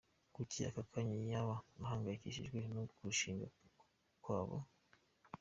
Kuki aka kanya yaba ahangayikishijwe no kurushinga kwa bo?.